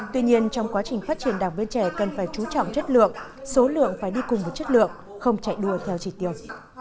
tuy nhiên trong quá trình phát triển đảng viên trẻ cần phải chú trọng chất lượng số lượng phải đi cùng với chất lượng không chạy đua theo trị tiêu